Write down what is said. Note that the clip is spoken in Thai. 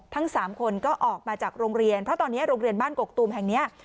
ทั้งสามคนก็ออกมาจากโรงเรียนเพราะตอนนี้โรงเรียนบ้านกกตูมแห่งนี้